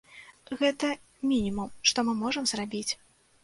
Гэта мінімум, што мы можам зрабіць.